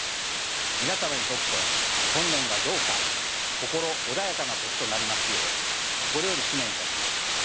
皆様にとって本年がどうか心穏やかな年となりますよう心より祈念いたします。